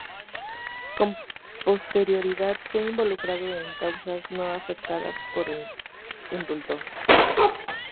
Con posterioridad fue involucrado en causas no afectadas por el indulto.